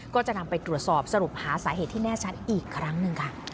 ก็จะนำไปตรวจสอบสรุปหาสาเหตุที่แน่ชัดอีกครั้งหนึ่งค่ะ